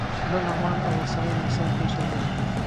کونړ لغمان او اوسنی نورستان ټول شامل وو.